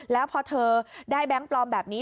แล้วพอเธอได้แบงค์ปลอมแบบนี้